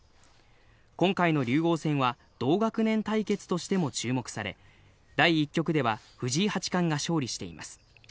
今回の竜王戦は同学年対決としても注目され、第１局では藤井八冠が勝利しています。